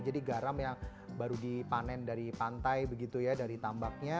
jadi garam yang baru dipanen dari pantai begitu ya dari tambaknya